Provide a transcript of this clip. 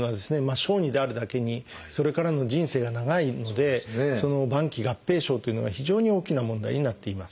小児であるだけにそれからの人生が長いのでその晩期合併症というのが非常に大きな問題になっています。